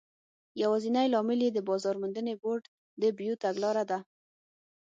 یوازینی عامل یې د بازار موندنې بورډ د بیو تګلاره ده.